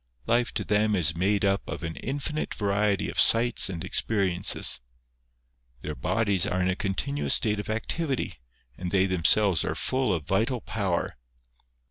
Life to them is made up of an infinite variety of sights and experiences. Their bodies are in a continuous state of activity, and they themselves are full of vital power.